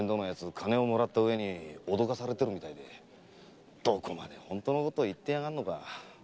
金をもらったうえに脅かされてるみたいでどこまで本当のことを言ってやがんのか！